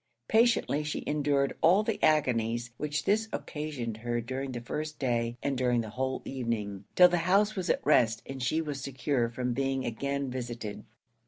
Patiently she endured all the agonies which this occasioned her during the first day and during the whole evening, till the house was at rest and she was secure from being again visited.